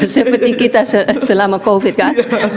seperti kita selama covid kan